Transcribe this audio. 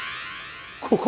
ここ？